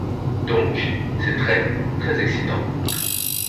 Donc, c'est très, très excitant.